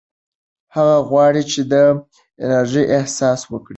هغه غواړي چې د انرژۍ احساس وکړي.